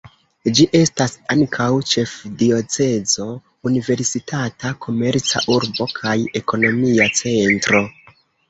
Ĝi estas ankaŭ ĉefdiocezo, universitata, komerca urbo kaj ekonomia centro.